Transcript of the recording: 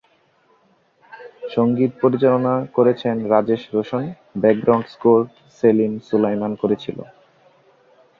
সংগীত পরিচালনা করেছেন রাজেশ রোশন, ব্যাকগ্রাউন্ড স্কোর সেলিম-সুলাইমান করেছিল।